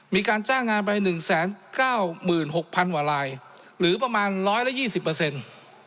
มีการจ้างงานไป๑๙๖๐๐๐ว่าลายหรือประมาณ๑๒๐เปอร์เซ็นต์